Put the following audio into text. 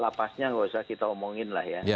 lapasnya nggak usah kita omongin lah ya